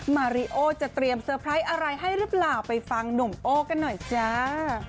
มาริโอจะเตรียมเตอร์ไพรส์อะไรให้หรือเปล่าไปฟังหนุ่มโอ้กันหน่อยจ้า